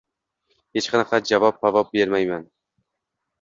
Hech qanaqa javob-pavob bermayman